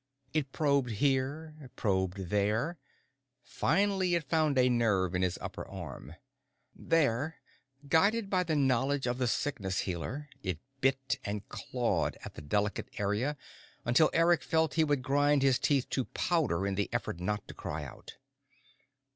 It probed here, probed there; finally it found a nerve in his upper arm. There, guided by the knowledge of the Sickness Healer, it bit and clawed at the delicate area until Eric felt he would grind his teeth to powder in the effort not to cry out.